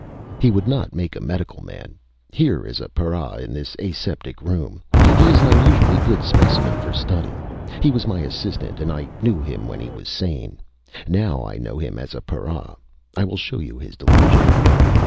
"He would not make a medical man! Here is a para in this aseptic room. He is an unusually good specimen for study. He was my assistant and I knew him when he was sane. Now I know him as a para. I will show you his delusion."